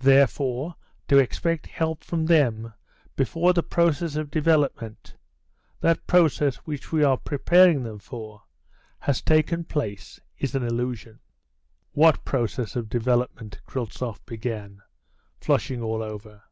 "Therefore, to expect help from them before the process of development that process which we are preparing them for has taken place is an illusion." "What process of development?" Kryltzoff began, flushing all over.